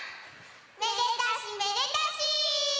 めでたしめでたし！